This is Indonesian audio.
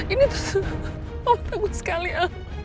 ini tuh takut sekali ya